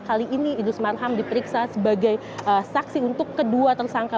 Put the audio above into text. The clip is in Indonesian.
kali ini idrus marham diperiksa sebagai saksi untuk kedua tersangka